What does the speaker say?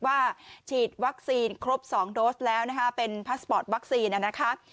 ฉีดวัคซีนครบ๒โดสแล้วนะคะเป็นพาสปอร์ตวัคซีนนะครับ